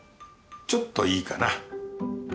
ちょっといいかな。